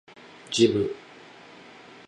ジム